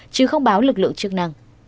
chứ không báo lực lượng chức năng